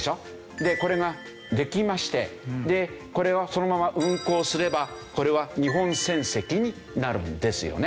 でこれができましてこれをそのまま運航すればこれは日本船籍になるんですよね。